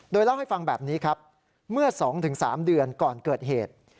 โดยเล่าให้ฟังแบบนี้ครับเมื่อ๒๓เดือนก่อนเกิดเหตุ